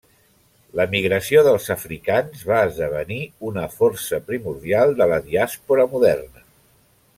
La migració dels africans va esdevenir una força primordial de la diàspora moderna.